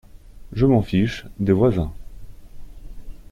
Je m'en fiche, des voisins …